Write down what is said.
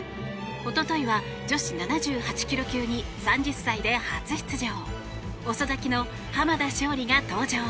一昨日は、女子７８ｋｇ級に３０歳で初出場遅咲きの濱田尚里が登場。